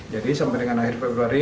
jadi sampai dengan akhir februari